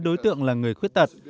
đối tượng là người khuyết tật